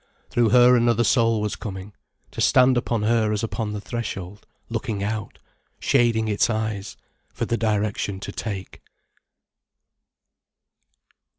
Through her another soul was coming, to stand upon her as upon the threshold, looking out, shading its eyes for the direction to take.